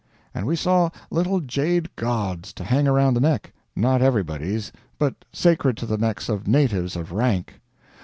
And we saw little jade gods, to hang around the neck not everybody's, but sacred to the necks of natives of rank.